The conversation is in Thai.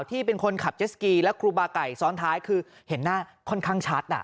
ที่เป็นคนขับเจสกีและครูบาไก่ซ้อนท้ายคือเห็นหน้าค่อนข้างชัด